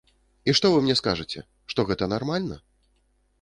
І што вы мне скажаце, што гэта нармальна?!